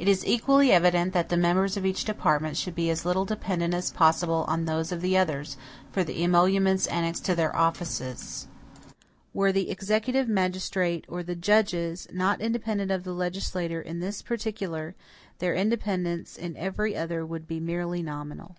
It is equally evident, that the members of each department should be as little dependent as possible on those of the others, for the emoluments annexed to their offices. Were the executive magistrate, or the judges, not independent of the legislature in this particular, their independence in every other would be merely nominal.